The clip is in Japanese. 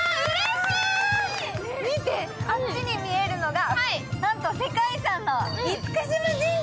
見て、あっちに見えるのがなんと世界遺産の厳島神社。